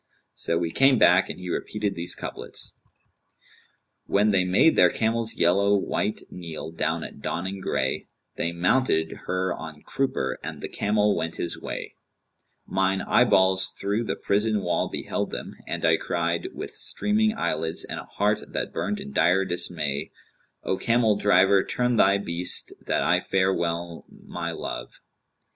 So we came back, and he repeated these couplets, 'When they made their camels yellow white kneel down at dawning grey * They mounted her on crupper and the camel went his way, Mine eye balls through the prison wall beheld them, and I cried * With streaming eyelids and a heart that burnt in dire dismay O camel driver turn thy beast that I farewell my love!